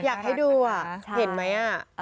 อยากให้ดูเห็นไหม